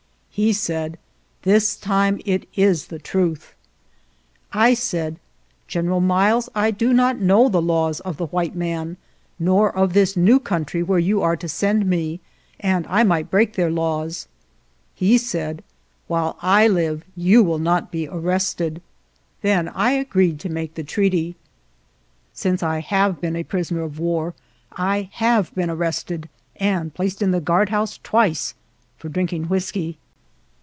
He said: " This time it is the truth." I said :" General Miles, I do not know the laws of the white man, nor of this new country where you are to send me, and I might break their laws." He said: "While I live you will not be arrested." ^ Then I agreed to make the treaty. ( Since I have been a prisoner of war I have been arrested and placed in the guardhouse twice for drinking whisky.)